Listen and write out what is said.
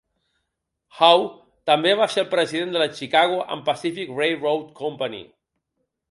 Hough també va ser el president de la Chicago and Pacific Railroad Company.